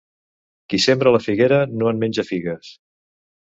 Qui sembra la figuera no en menja figues.